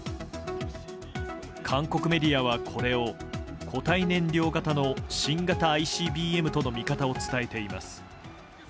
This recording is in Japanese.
韓国メディアはこれを固体燃料型の新型ＩＣＢＭとの見方を伝えています。